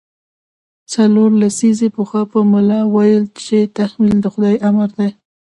څلور لسیزې پخوا به ملا ویل چې تحمل د خدای امر دی.